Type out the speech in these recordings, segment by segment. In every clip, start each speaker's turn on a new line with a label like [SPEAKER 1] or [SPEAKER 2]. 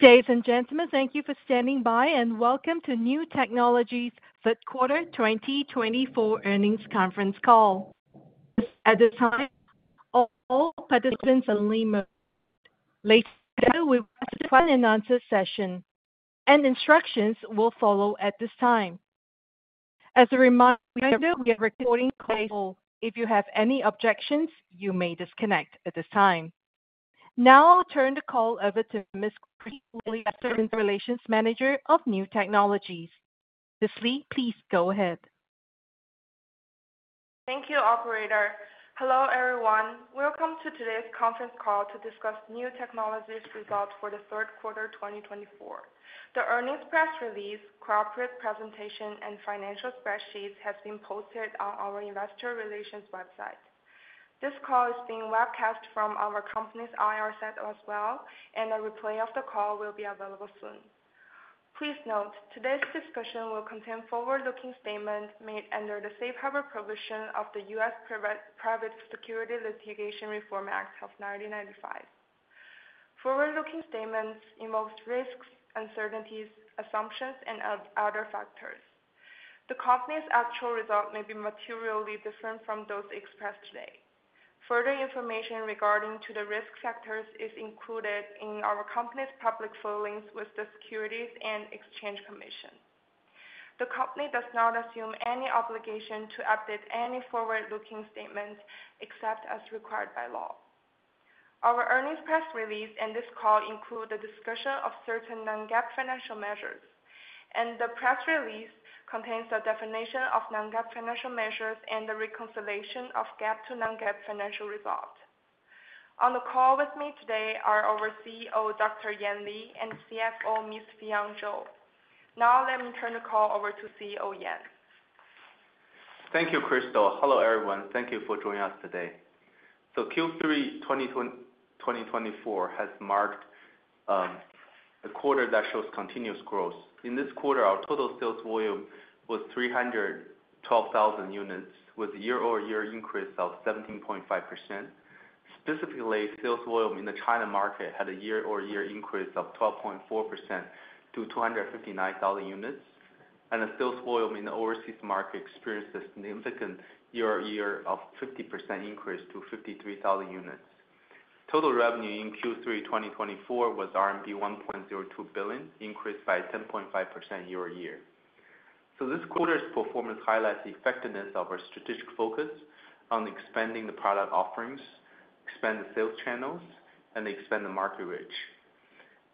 [SPEAKER 1] Ladies and gentlemen, thank you for standing by, and welcome to Niu Technologies' Q1 2024 earnings conference call. At this time, all participants are on mute. Later, we will have a question-and-answer session, and instructions will follow at this time. As a reminder, we are recording the call. If you have any objections, you may disconnect at this time. Now, I'll turn the call over to Ms. Kristal Li, Investor Relations Manager of Niu Technologies. Ms. Li, please go ahead.
[SPEAKER 2] Thank you, Operator. Hello, everyone. Welcome to today's conference call to discuss Niu Technologies' results for the Q3 2024. The earnings press release, corporate presentation, and financial spreadsheets have been posted on our investor relations website. This call is being webcast from our company's IR site as well, and a replay of the call will be available soon. Please note, today's discussion will contain forward-looking statements made under the safe harbor provision of the U.S. Private Securities Litigation Reform Act of 1995. Forward-looking statements involve risks, uncertainties, assumptions, and other factors. The company's actual results may be materially different from those expressed today. Further information regarding the risk factors is included in our company's public filings with the Securities and Exchange Commission. The company does not assume any obligation to update any forward-looking statements except as required by law. Our earnings press release and this call include the discussion of certain non-GAAP financial measures, and the press release contains the definition of non-GAAP financial measures and the reconciliation of GAAP to non-GAAP financial result. On the call with me today are our CEO, Dr. Yan Li, and CFO, Ms. Fion Zhou. Now, let me turn the call over to CEO Yan.
[SPEAKER 3] Thank you, Kristal. Hello, everyone. Thank you for joining us today. So, Q3 2024 has marked a quarter that shows continuous growth. In this quarter, our total sales volume was 312,000 units, with a year-over-year increase of 17.5%. Specifically, sales volume in the China market had a year-over-year increase of 12.4% to 259,000 units, and the sales volume in the overseas market experienced a significant year-over-year increase of 50% to 53,000 units. Total revenue in Q3 2024 was RMB 1.02 billion, increased by 10.5% year-over-year. So this quarter's performance highlights the effectiveness of our strategic focus on expanding the product offerings, expanding the sales channels, and expanding the market reach.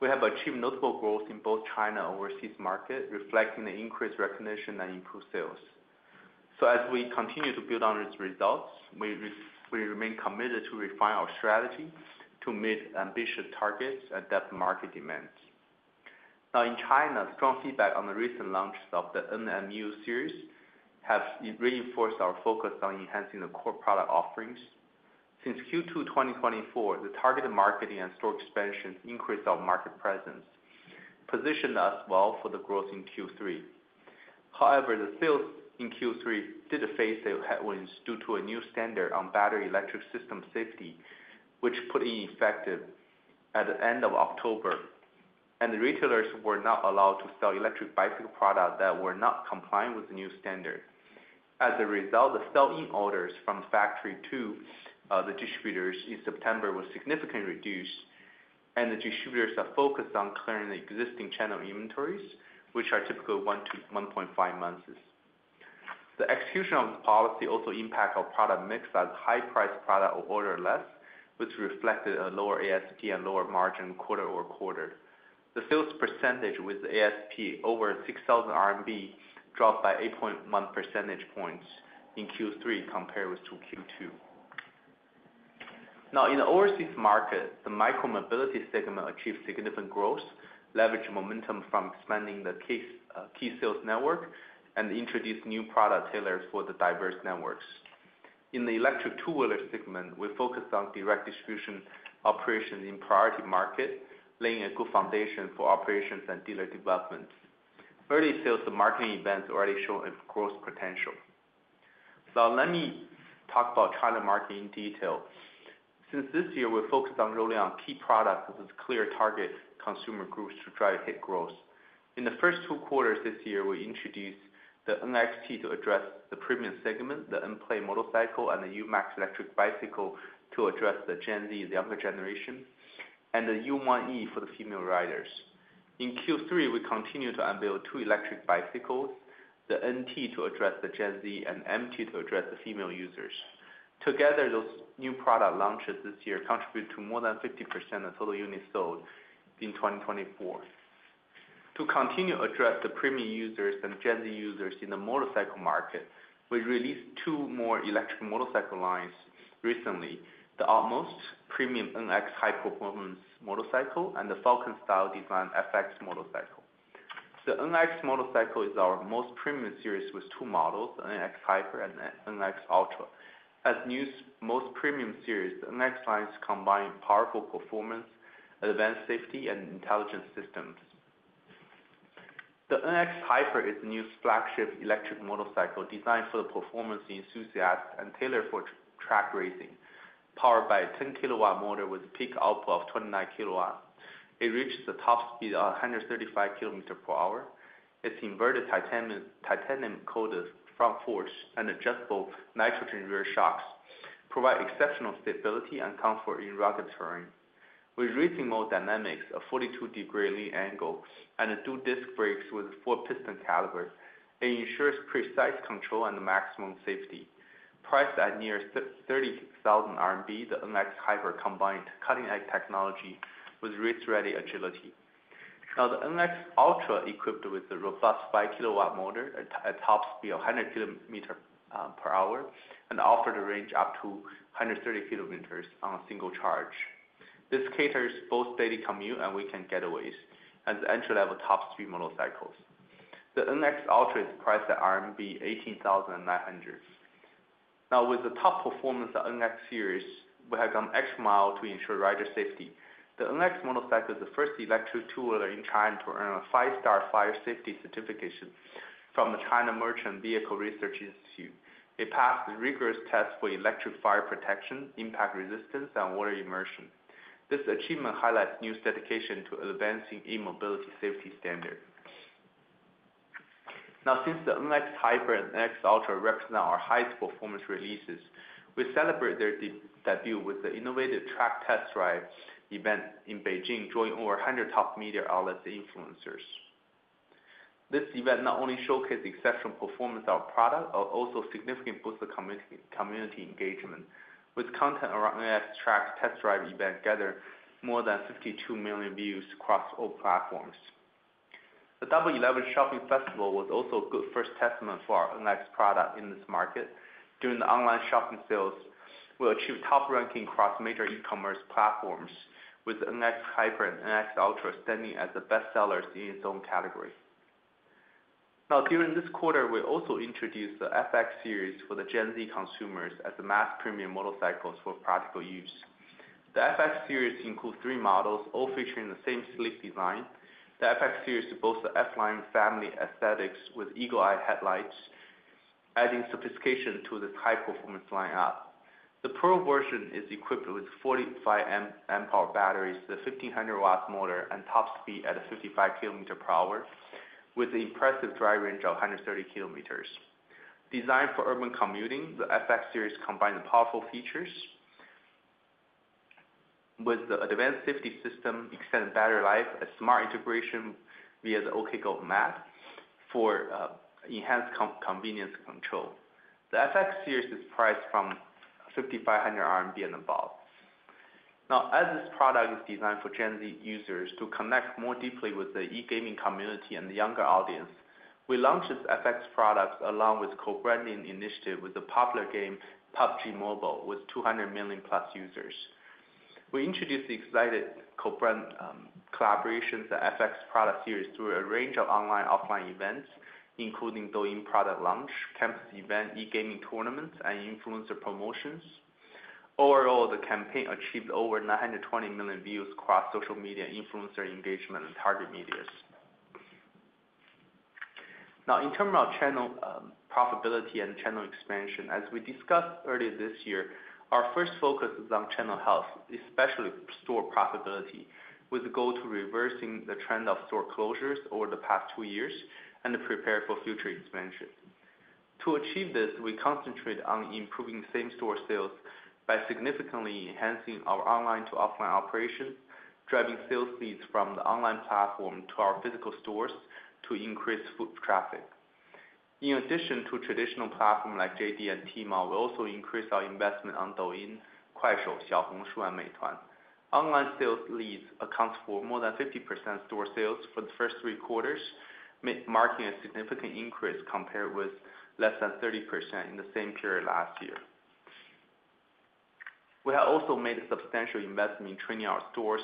[SPEAKER 3] We have achieved notable growth in both China and overseas markets, reflecting the increased recognition and improved sales. So as we continue to build on these results, we remain committed to refine our strategy to meet ambitious targets and adapt to market demands. Now, in China, strong feedback on the recent launch of the NQi Series has reinforced our focus on enhancing the core product offerings. Since Q2 2024, the targeted marketing and store expansion increased our market presence, positioning us well for the growth in Q3. However, the sales in Q3 did face a headwind due to a new standard on battery electric system safety, which put in effect at the end of October, and retailers were not allowed to sell electric bicycle products that were not compliant with the new standard. As a result, the sell-in orders from factory to the distributors in September were significantly reduced, and the distributors are focused on clearing the existing channel inventories, which are typically one to 1.5 months. The execution of the policy also impacted our product mix, as high-priced products were ordered less, which reflected a lower ASP and lower margin quarter over quarter. The sales percentage with ASP over 6,000 RMB dropped by 8.1 percentage points in Q3 compared to Q2. Now, in the overseas market, the micro-mobility segment achieved significant growth, leveraged momentum from expanding the key sales network, and introduced new products tailored for the diverse markets. In the electric two-wheeler segment, we focused on direct distribution operations in priority markets, laying a good foundation for operations and dealer development. Early sales and marketing events already showed growth potential. Now, let me talk about China market in detail. Since this year, we're focused on rolling out key products with clear target consumer groups to drive this growth. In the first two quarters this year, we introduced the NXT to address the premium segment, the M-Play motorcycle, and the UMax electric bicycle to address the Gen Z, the younger generation, and the U1e for the female riders. In Q3, we continued to unveil two electric bicycles, the NT to address the Gen Z and MT to address the female users. Together, those new product launches this year contributed to more than 50% of total units sold in 2024. To continue to address the premium users and Gen Z users in the motorcycle market, we released two more electric motorcycle lines recently: the our most premium NX high performance motorcycle and the falcon style design FX motorcycle. The NX motorcycle is our most premium series with two models, the NX Hyper and the NX Ultra. As the new most premium series, the NX lines combine powerful performance, advanced safety, and intelligent systems. The NX Hyper is the new flagship electric motorcycle designed for the performance enthusiasts and tailored for track racing, powered by a 10 kW motor with a peak output of 29 kW. It reaches a top speed of 135 km/h. Its inverted titanium-coated front forks and adjustable nitrogen rear shocks provide exceptional stability and comfort in rugged terrain. With racing mode dynamics, a 42-degree lead angle, and the dual disc brakes with a four-piston caliper, it ensures precise control and maximum safety. Priced at near 30,000 RMB, the NX Hyper combines cutting-edge technology with race-ready agility. Now, the NX Ultra, equipped with a robust 5-kW motor at a top speed of 100 km/h, offers a range of up to 130 kilometers on a single charge. This caters for both daily commute and weekend getaways, as the entry-level top-speed motorcycles. The NX Ultra is priced at RMB 18,900. Now, with the top performance of the NX series, we have gone extra mile to ensure rider safety. The NX motorcycle is the first electric two-wheeler in China to earn a five-star fire safety certification from the China Merchants Vehicle Research Institute. It passed rigorous tests for electric fire protection, impact resistance, and water immersion. This achievement highlights Niu's dedication to advancing e-mobility safety standards. Now, since the NX Hyper and NX Ultra represent our highest performance releases, we celebrate their debut with the innovative Track Test Drive event in Beijing, joining over 100 top media outlets and influencers. This event not only showcased the exceptional performance of our product but also significantly boosted community engagement, with content around NX Track Test Drive event gathering more than 52 million views across all platforms. The Double 11 Shopping Festival was also a good first testament for our NX product in this market. During the online shopping sales, we achieved top ranking across major e-commerce platforms, with NX Hyper and NX Ultra standing as the best sellers in its own category. Now, during this quarter, we also introduced the FX series for the Gen Z consumers as the mass premium motorcycles for practical use. The FX series includes three models, all featuring the same sleek design. The FX series boasts an F-Line family aesthetic with eagle-eye headlights, adding sophistication to this high-performance lineup. The Pro version is equipped with 45 amp-hour batteries, the 1,500-watt motor, and top speed at 55 km/h, with an impressive dry range of 130 km. Designed for urban commuting, the FX series combines powerful features with the advanced safety system, extended battery life, and smart integration via the OkGo map for enhanced convenience control. The FX series is priced from 5,500 RMB and above. Now, as this product is designed for Gen Z users to connect more deeply with the e-gaming community and the younger audience, we launched this FX product along with a co-branding initiative with the popular game PUBG Mobile with 200 million plus users. We introduced exciting co-brand collaborations in the FX product series through a range of online and offline events, including Douyin product launch, campus event, e-gaming tournaments, and influencer promotions. Overall, the campaign achieved over 920 million views across social media, influencer engagement, and target markets. Now, in terms of channel profitability and channel expansion, as we discussed earlier this year, our first focus is on channel health, especially store profitability, with the goal of reversing the trend of store closures over the past two years and preparing for future expansion. To achieve this, we concentrate on improving same-store sales by significantly enhancing our online to offline operations, driving sales leads from the online platform to our physical stores to increase foot traffic. In addition to traditional platforms like JD and Tmall, we also increased our investment on Douyin, Kuaishou, Xiaohongshu, and Meituan. Online sales leads account for more than 50% of store sales for the first three quarters, marking a significant increase compared with less than 30% in the same period last year. We have also made a substantial investment in training our stores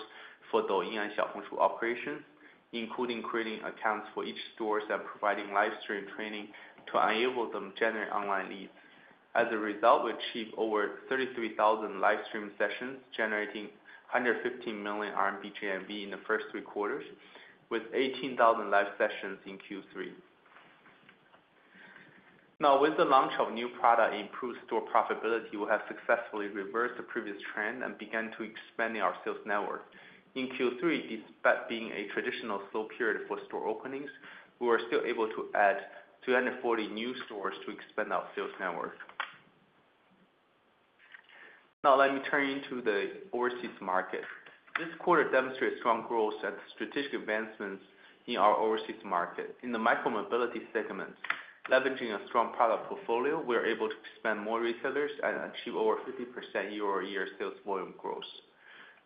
[SPEAKER 3] for Douyin and Xiaohongshu operations, including creating accounts for each store and providing livestream training to enable them to generate online leads. As a result, we achieved over 33,000 livestream sessions, generating 115 million RMB GMV in the first three quarters, with 18,000 live sessions in Q3. Now, with the launch of new products and improved store profitability, we have successfully reversed the previous trend and began expanding our sales network. In Q3, despite being a traditional slow period for store openings, we were still able to add 240 new stores to expand our sales network. Now, let me turn you to the overseas market. This quarter demonstrated strong growth and strategic advancements in our overseas market. In the micro-mobility segment, leveraging a strong product portfolio, we were able to expand more retailers and achieve over 50% year-over-year sales volume growth.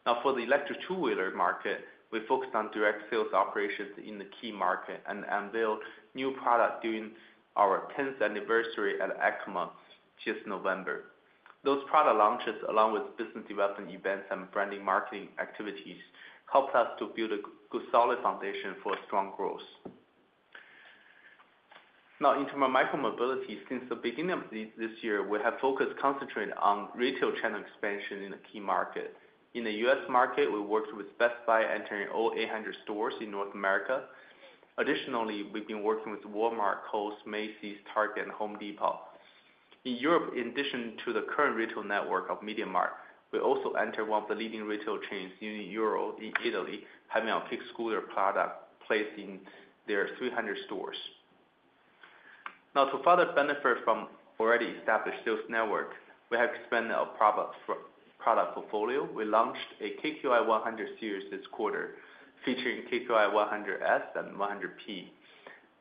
[SPEAKER 3] Now, for the electric two-wheeler market, we focused on direct sales operations in the key market and unveiled new products during our 10th anniversary at EICMA this November. Those product launches, along with business development events and branding marketing activities, helped us to build a solid foundation for strong growth. Now, in terms of micro-mobility, since the beginning of this year, we have focused and concentrated on retail channel expansion in the key market. In the U.S. market, we worked with Best Buy entering all 800 stores in North America. Additionally, we've been working with Walmart, Kohl's, Macy's, Target, and Home Depot. In Europe, in addition to the current retail network of MediaMarkt, we also entered one of the leading retail chains, Unieuro, in Italy, having our kick scooter product placed in their 300 stores. Now, to further benefit from the already established sales network, we have expanded our product portfolio. We launched a KQi 100 series this quarter, featuring KQi 100S and KQi 100P.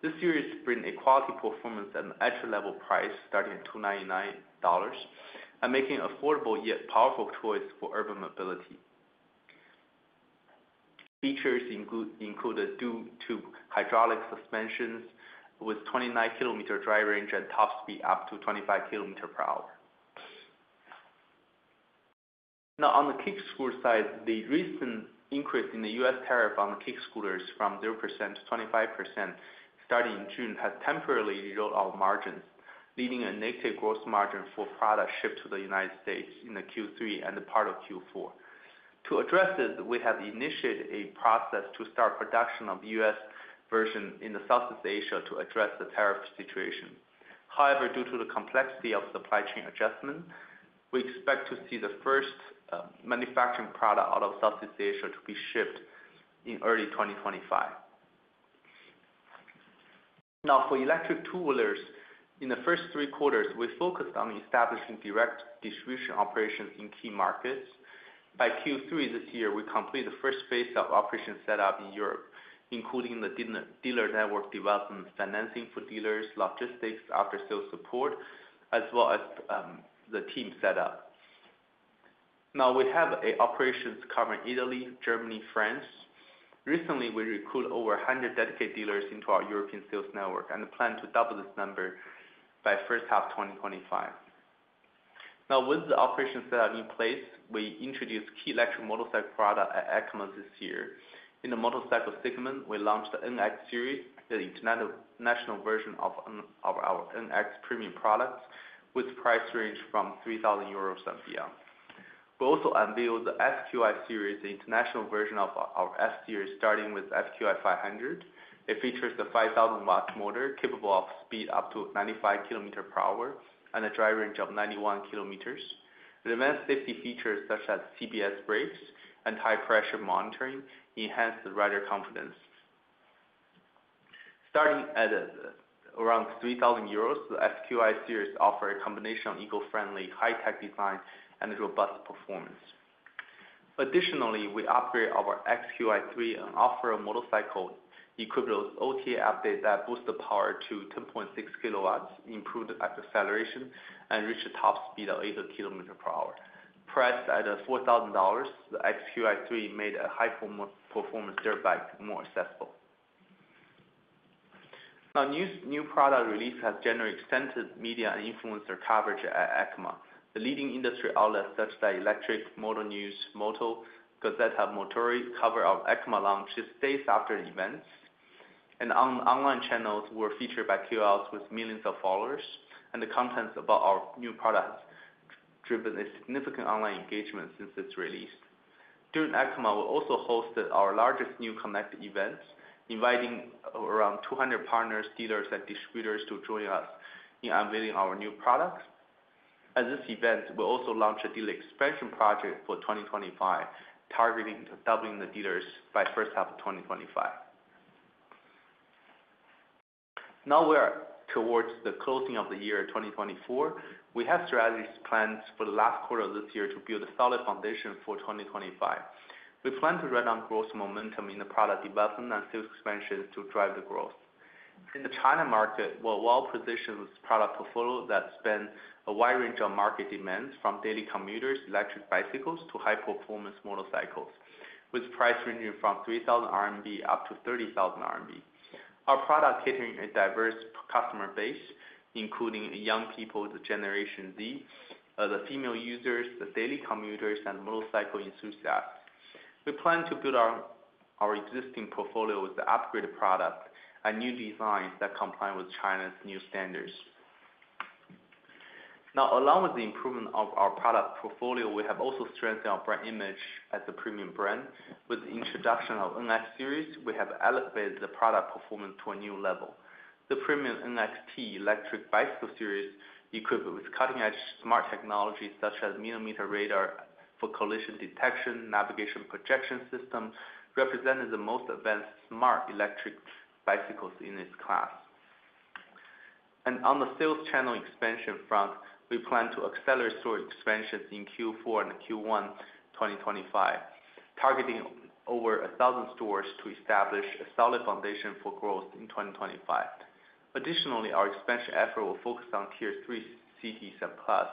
[SPEAKER 3] This series brings a quality performance and entry-level price starting at $299, making it an affordable yet powerful choice for urban mobility. Features include the Dual-Tube hydraulic suspensions with 29 km dry range and top speed up to 25 km/h. Now, on the kick scooter side, the recent increase in the U.S. tariff on the kick scooters from 0% to 25% starting in June has temporarily eroded margins, leaving a negative gross margin for products shipped to the United States in Q3 and part of Q4. To address this, we have initiated a process to start production of the U.S. version in Southeast Asia to address the tariff situation. However, due to the complexity of supply chain adjustments, we expect to see the first manufacturing product out of Southeast Asia be shipped in early 2025. Now, for electric two-wheelers, in the first three quarters, we focused on establishing direct distribution operations in key markets. By Q3 this year, we completed the first phase of operations set up in Europe, including the dealer network development, financing for dealers, logistics, after-sales support, as well as the team set up. Now, we have operations covering Italy, Germany, and France. Recently, we recruited over 100 dedicated dealers into our European sales network and plan to double this number by the first half of 2025. Now, with the operations set up in place, we introduced key electric motorcycle products at EICMA this year. In the motorcycle segment, we launched the NX series, the international version of our NX premium products, with price ranges from 3,000 euros and beyond. We also unveiled the FQi series, the international version of our F series, starting with FQi 500. It features a 5,000-watt motor capable of speeds up to 95 km/h and a dry range of 91 km. Advanced safety features such as CBS brakes and high-pressure monitoring enhance the rider confidence. Starting at around 3,000 euros, the FQi series offers a combination of eco-friendly, high-tech design, and robust performance. Additionally, we upgraded our XQi3 and offered a motorcycle equivalent OTA update that boosts the power to 10.6 kWs, improved acceleration, and reaches a top speed of 80 km/h. Priced at $4,000, the XQi3 made a high-performance dirt bike more accessible. Now, new product releases have generated extensive media and influencer coverage at EICMA. The leading industry outlets such as Electrek, Motor News, Moto, Gazzetta Motori cover our EICMA launch just days after the events, and online channels were featured by KOLs with millions of followers, and the content about our new products has driven a significant online engagement since its release. During EICMA, we also hosted our largest new connect event, inviting around 200 partners, dealers, and distributors to join us in unveiling our new products. At this event, we also launched a dealer expansion project for 2025, targeting doubling the dealers by the first half of 2025. Now, we are towards the closing of the year 2024. We have strategies planned for the last quarter of this year to build a solid foundation for 2025. We plan to ride on growth momentum in the product development and sales expansion to drive the growth. In the China market, we're well-positioned with a product portfolio that spans a wide range of market demands, from daily commuters, electric bicycles, to high-performance motorcycles, with price ranging from 3,000 RMB up to 30,000 RMB. Our product caters a diverse customer base, including young people, the Generation Z, the female users, the daily commuters, and motorcycle enthusiasts. We plan to build our existing portfolio with upgraded products and new designs that comply with China's new standards. Now, along with the improvement of our product portfolio, we have also strengthened our brand image as a premium brand. With the introduction of the NX Series, we have elevated the product performance to a new level. The premium NXT electric bicycle series, equipped with cutting-edge smart technologies such as millimeter-wave radar for collision detection, navigation projection system, represents the most advanced smart electric bicycles in its class. And on the sales channel expansion front, we plan to accelerate store expansions in Q4 and Q1 2025, targeting over 1,000 stores to establish a solid foundation for growth in 2025. Additionally, our expansion effort will focus on Tier 3 cities and Plus,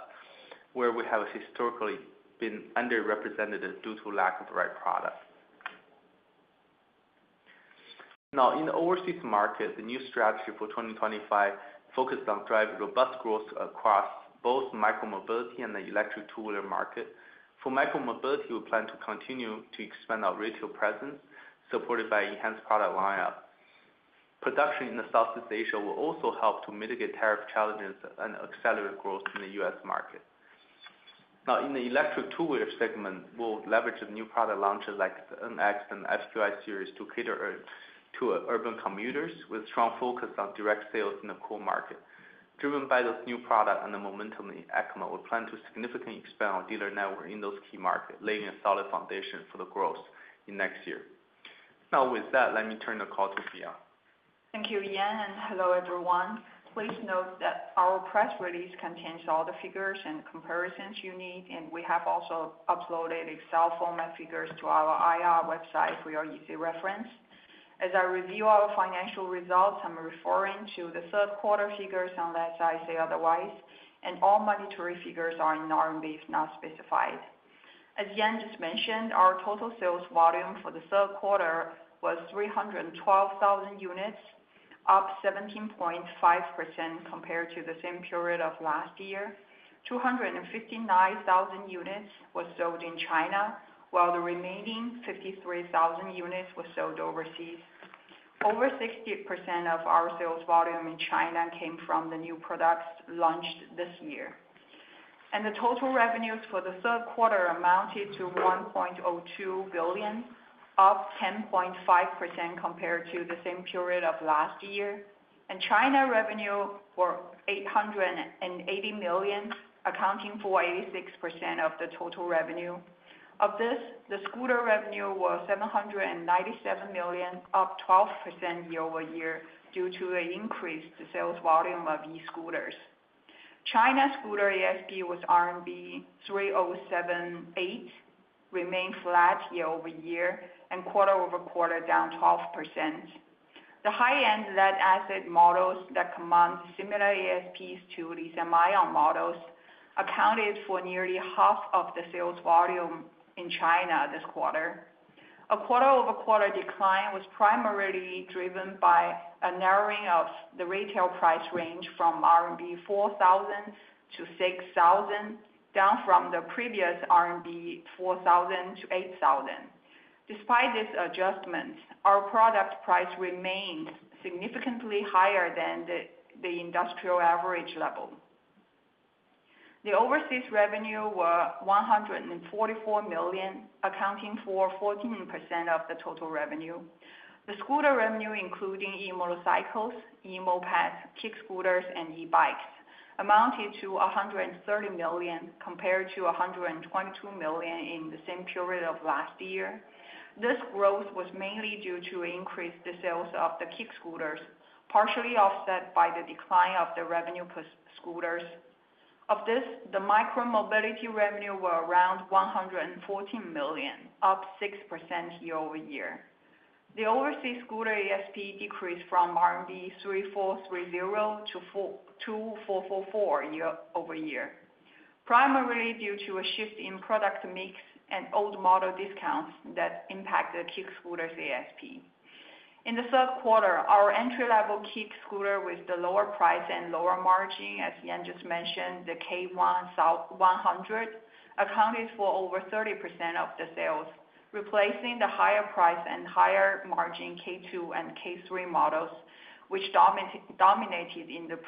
[SPEAKER 3] where we have historically been underrepresented due to lack of the right product. Now, in the overseas market, the new strategy for 2025 focuses on driving robust growth across both micro-mobility and the electric two-wheeler market. For micro-mobility, we plan to continue to expand our retail presence, supported by enhanced product lineup. Production in Southeast Asia will also help to mitigate tariff challenges and accelerate growth in the US market. Now, in the electric two-wheeler segment, we'll leverage the new product launches like the NX and FQi series to cater to urban commuters, with a strong focus on direct sales in the core market. Driven by those new products and the momentum in EICMA, we plan to significantly expand our dealer network in those key markets, laying a solid foundation for the growth in next year. Now, with that, let me turn the call to Yan.
[SPEAKER 4] Thank you, Yan, and hello, everyone. Please note that our press release contains all the figures and comparisons you need, and we have also uploaded Excel format figures to our IR website for your easy reference. As I review our financial results, I'm referring to the third-quarter figures unless I say otherwise, and all monetary figures are in RMB, not specified. As Yan just mentioned, our total sales volume for the Q3 was 312,000 units, up 17.5% compared to the same period of last year. 259,000 units were sold in China, while the remaining 53,000 units were sold overseas. Over 60% of our sales volume in China came from the new products launched this year. The total revenues for the Q3 amounted to 1.02 billion, up 10.5% compared to the same period of last year. China revenues were 880 million, accounting for 86% of the total revenue. Of this, the scooter revenue was 797 million, up 12% year-over-year due to the increased sales volume of e-scooters. China's scooter ASP was RMB 3078, remained flat year-over-year, and quarter-over-quarter down 12%. The high-end lead-acid models that command similar ASPs to Lithium-ion models accounted for nearly half of the sales volume in China this quarter. A quarter-over-quarter decline was primarily driven by a narrowing of the retail price range from RMB 4,000 to 6,000, down from the previous RMB 4,000 to 8,000. Despite this adjustment, our product price remained significantly higher than the industrial average level. The overseas revenues were 144 million, accounting for 14% of the total revenue. The scooter revenue, including e-motorcycles, e-mopeds, kick scooters, and e-bikes, amounted to 130 million compared to 122 million in the same period of last year. This growth was mainly due to an increase in the sales of the kick scooters, partially offset by the decline of the revenue per scooters. Of this, the micro-mobility revenues were around RMB 114 million, up 6% year-over-year. The overseas scooter ASP decreased from RMB 3,430 to 2,444 year-over-year, primarily due to a shift in product mix and old model discounts that impacted kick scooters ASP. In the Q3, our entry-level kick scooter with the lower price and lower margin, as Yan just mentioned, the KQi 100, accounted for over 30% of the sales, replacing the higher price and higher margin KQi2 and KQi3 models, which dominated in the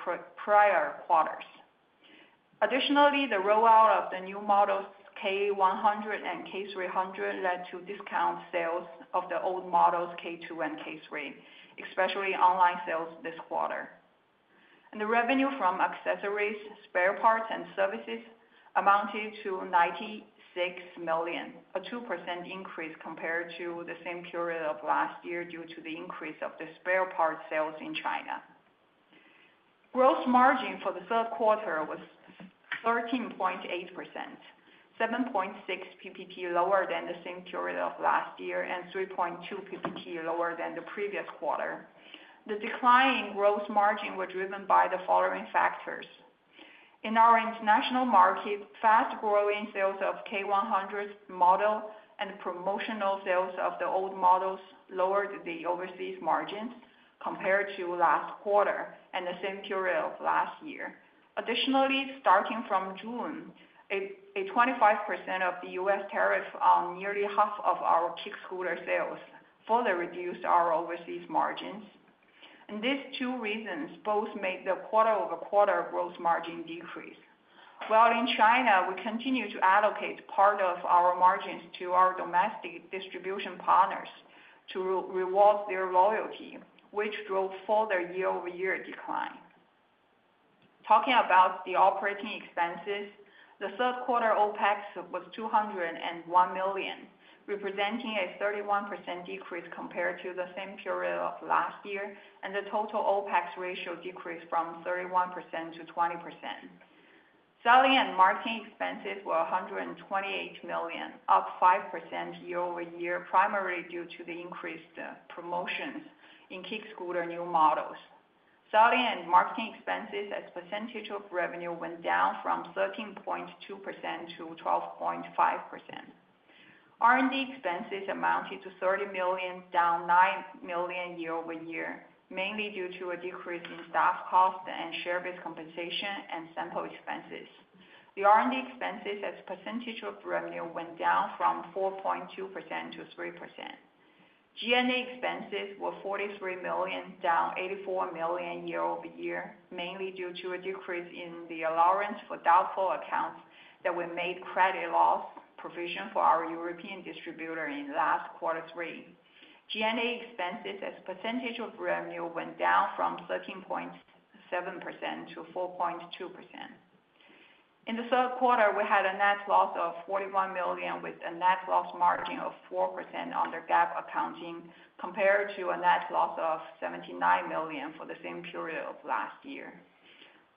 [SPEAKER 4] prior quarters. Additionally, the rollout of the new models KQi 100 and KQi 300 led to discount sales of the old models KQi2 and KQi3, especially online sales this quarter, and the revenue from accessories, spare parts, and services amounted to 96 million, a 2% increase compared to the same period of last year due to the increase of the spare parts sales in China. Gross margin for the Q3 was 13.8%, 7.6 percentage points lower than the same period of last year and 3.2 percentage points lower than the previous quarter. The declining gross margin was driven by the following factors. In our international market, fast-growing sales of KQi 100 model and promotional sales of the old models lowered the overseas margins compared to last quarter and the same period of last year. Additionally, starting from June, a 25% of the U.S. tariff on nearly half of our kick scooter sales further reduced our overseas margins, and these two reasons both made the quarter-over-quarter gross margin decrease. While in China, we continue to allocate part of our margins to our domestic distribution partners to reward their loyalty, which drove further year-over-year decline. Talking about the operating expenses, the third-quarter OpEx was 201 million, representing a 31% decrease compared to the same period of last year, and the total OpEx ratio decreased from 31% to 20%. Selling and marketing expenses were 128 million, up 5% year-over-year, primarily due to the increased promotions in kick scooter new models. Selling and marketing expenses, as a percentage of revenue, went down from 13.2% to 12.5%. R&D expenses amounted to 30 million, down nine million year-over-year, mainly due to a decrease in staff cost and share-based compensation and sample expenses. The R&D expenses, as a percentage of revenue, went down from 4.2% to 3%. G&A expenses were 43 million, down 84 million year-over-year, mainly due to a decrease in the allowance for doubtful accounts that we made credit loss provision for our European distributor in last quarter three. G&A expenses, as a percentage of revenue, went down from 13.7% to 4.2%. In the Q3, we had a net loss of 41 million with a net loss margin of 4% under GAAP accounting compared to a net loss of 79 million for the same period of last year.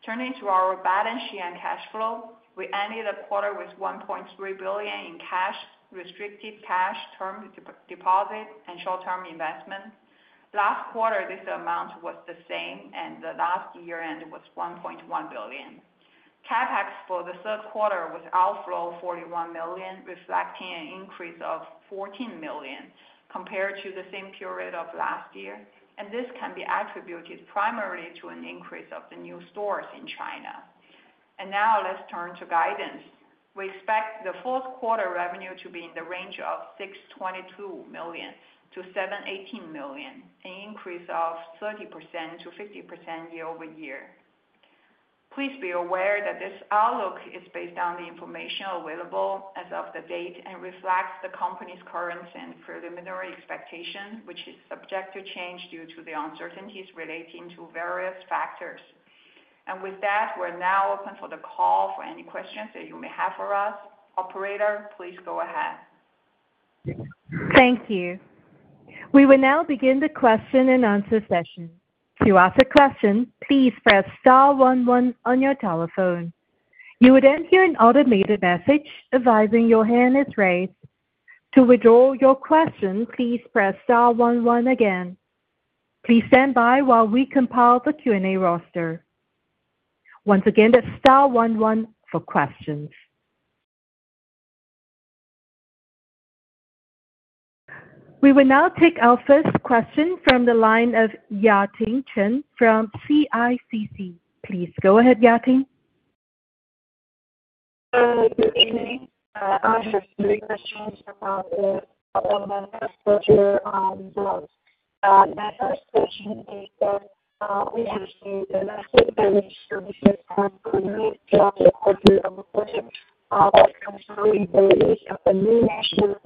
[SPEAKER 4] Turning to our balance sheet and cash flow, we ended the quarter with 1.3 billion in cash, restricted cash, term deposit, and short-term investment. Last quarter, this amount was the same, and the last year-end was 1.1 billion. CapEx for the Q3 was outflow 41 million, reflecting an increase of 14 million compared to the same period of last year, and this can be attributed primarily to an increase of the new stores in China. And now, let's turn to guidance. We expect the Q4 revenue to be in the range of 622 million-718 million, an increase of 30%-50% year-over-year. Please be aware that this outlook is based on the information available as of the date and reflects the company's current and preliminary expectations, which is subject to change due to the uncertainties relating to various factors, and with that, we're now open for the call for any questions that you may have for us. Operator, please go ahead.
[SPEAKER 1] Thank you. We will now begin the question and answer session. To ask a question, please press star one one on your telephone. You would enter an automated message advising your hand is raised. To withdraw your question, please press star one one again. Please stand by while we compile the Q&A roster. Once again, that's star one one for questions. We will now take our first question from the line of Yating Chen from CICC. Please go ahead, Yating.
[SPEAKER 5] Good evening. I have three questions about the new standard on e-bikes. New standard is that we have to do domestically distributed and remove e-bikes according to the requirements of the country release of the new national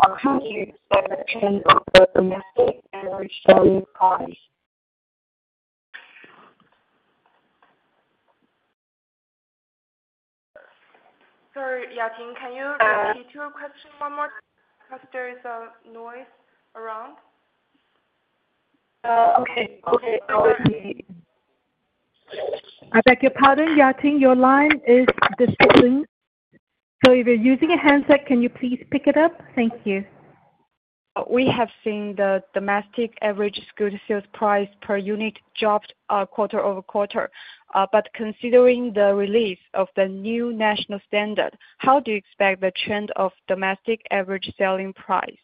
[SPEAKER 5] standard. How do you expect the trend of the domestic and selling price?
[SPEAKER 1] Yating, can you repeat your question one more time because there is a noise around?
[SPEAKER 5] Okay.
[SPEAKER 1] I beg your pardon, Yating, your line is disrupting. So if you're using a handset, can you please pick it up? Thank you.
[SPEAKER 5] We have seen the domestic average selling price per unit dropped quarter over quarter. But considering the release of the new national standard, how do you expect the trend of domestic average selling price?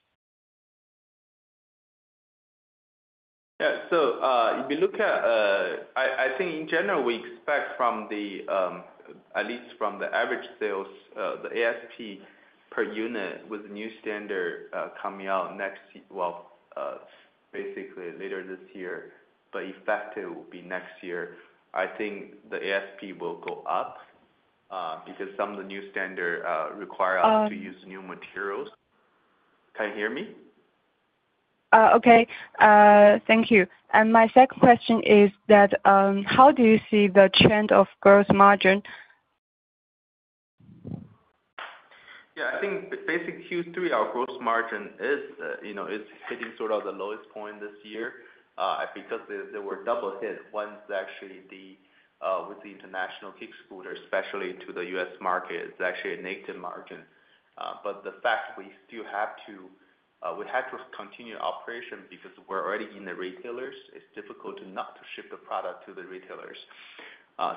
[SPEAKER 3] Yeah. So if you look at, I think in general, we expect from at least from the average sales, the ASP per unit with the new standard coming out next, well, basically later this year, but effective will be next year, I think the ASP will go up because some of the new standard require us to use new materials. Can you hear me?
[SPEAKER 5] Okay. Thank you. And my second question is that how do you see the trend of gross margin?
[SPEAKER 3] Yeah. I think in Q3, our gross margin is hitting sort of the lowest point this year because there were double hits. One is actually with the international kick scooter, especially to the U.S. market. It's actually a negative margin. But the fact we still have to continue operation because we're already in the retailers. It's difficult not to ship the product to the retailers.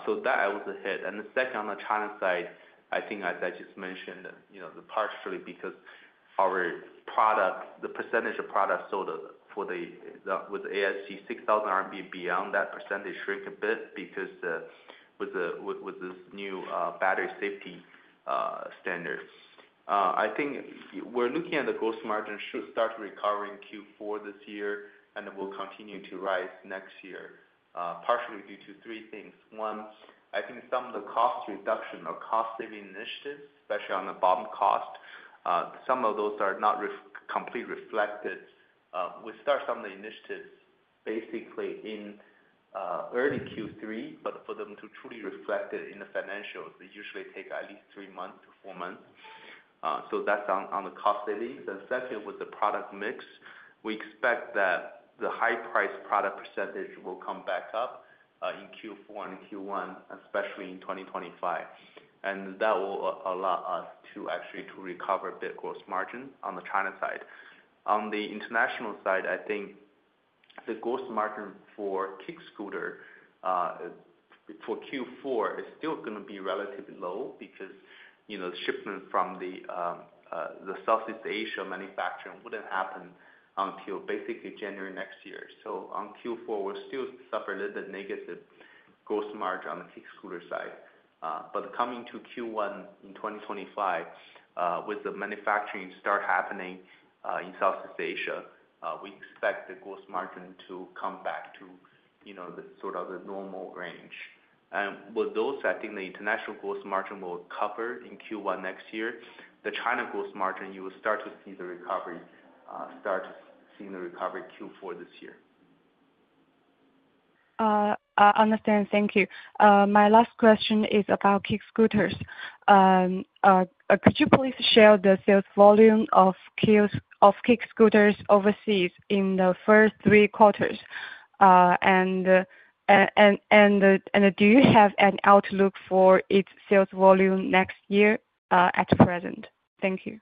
[SPEAKER 3] So that was a hit. And the second on the China side, I think, as I just mentioned, that partially because our product, the percentage of product sold for the with the ASP, 6,000 RMB beyond that percentage shrink a bit because with this new battery safety standard. I think we're looking at the gross margin should start recovering Q4 this year, and it will continue to rise next year, partially due to three things. One, I think some of the cost reduction or cost-saving initiatives, especially on the bottom cost, some of those are not completely reflected. We start some of the initiatives basically in early Q3, but for them to truly reflect it in the financials, they usually take at least three months to four months. So that's on the cost savings. And second, with the product mix, we expect that the high-priced product percentage will come back up in Q4 and Q1, especially in 2025. And that will allow us to actually recover a bit gross margin on the China side. On the international side, I think the gross margin for kick scooter for Q4 is still going to be relatively low because shipment from the Southeast Asia manufacturing wouldn't happen until basically January next year. So on Q4, we'll still suffer a little bit negative gross margin on the kick scooter side. But coming to Q1 in 2025, with the manufacturing start happening in Southeast Asia, we expect the gross margin to come back to sort of the normal range. And with those, I think the international gross margin will cover in Q1 next year. The China gross margin, you will start to see the recovery Q4 this year.
[SPEAKER 5] I understand. Thank you. My last question is about kick scooters. Could you please share the sales volume of kick scooters overseas in the first three quarters? And do you have an outlook for its sales volume next year at present? Thank you.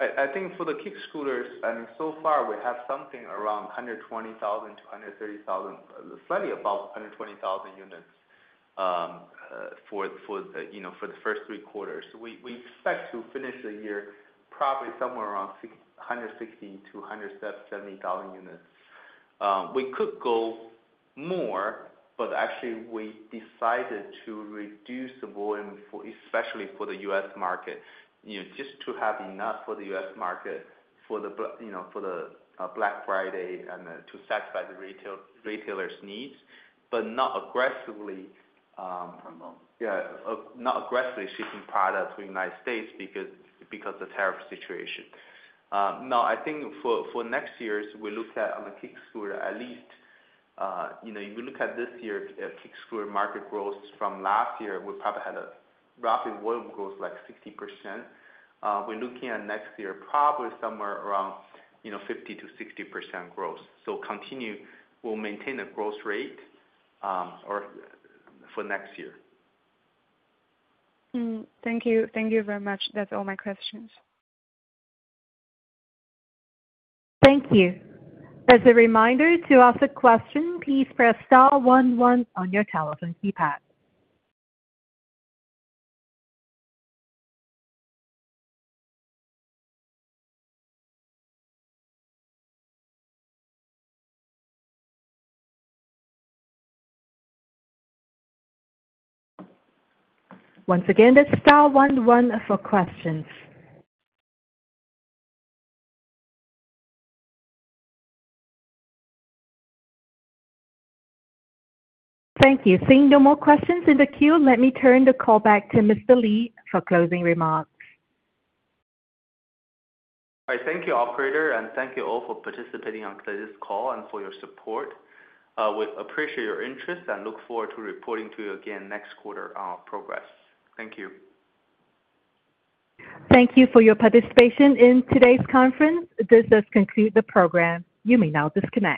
[SPEAKER 3] I think for the kick scooters, I mean, so far, we have something around 120,000-130,000, slightly above 120,000 units for the first three quarters. So we expect to finish the year probably somewhere around 160,000-170,000 units. We could go more, but actually, we decided to reduce the volume, especially for the U.S.market, just to have enough for the U.S. market for the Black Friday and to satisfy the retailers' needs, but not aggressively. Yeah. Not aggressively shipping products to the United States because of the tariff situation. Now, I think for next year's, we look at on the kick scooter. At least if you look at this year, kick scooter market growth from last year, we probably had a roughly volume growth like 60%. We're looking at next year, probably somewhere around 50%-60% growth. So continue we'll maintain a growth rate for next year.
[SPEAKER 5] Thank you. Thank you very much. That's all my questions.
[SPEAKER 1] Thank you. As a reminder, to ask a question, please press star one one on your telephone keypad. Once again, that's star one one for questions. Thank you. Seeing no more questions in the queue, let me turn the call back to Mr. Li for closing remarks.
[SPEAKER 3] Thank you, Operator, and thank you all for participating on today's call and for your support. We appreciate your interest and look forward to reporting to you again next quarter on our progress. Thank you.
[SPEAKER 1] Thank you for your participation in today's conference. This does conclude the program. You may now disconnect.